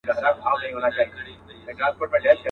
په لوی لاس به ورانوي د ژوندون خونه.